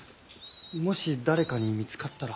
もし誰かに見つかったら。